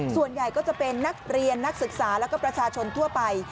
ส่วนใหญ่ก็จะเป็นนักเรียนนักศึกษาแล้วก็ประชาชนทั่วไป